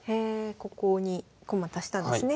ここに駒足したんですね